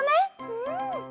うん。